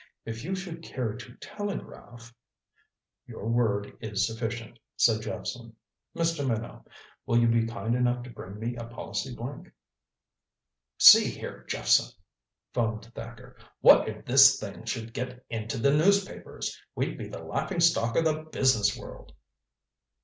"If you should care to telegraph " "Your word is sufficient," said Jephson. "Mr. Minot, will you be kind enough to bring me a policy blank?" "See here, Jephson," foamed Thacker. "What if this thing should get into the newspapers? We'd be the laughing stock of the business world."